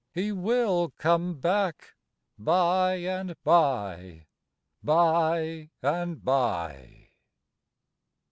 He will come back by and by by and by."